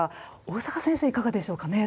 大坂先生いかがでしょうかね？